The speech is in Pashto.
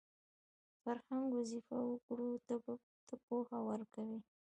فرهنګ وظیفه وګړو ته پوهه ورکوي